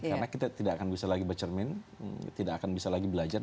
karena kita tidak akan bisa lagi bercermin tidak akan bisa lagi belajar